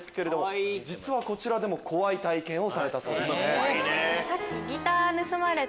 実はこちらでも怖い体験をされたそうですね。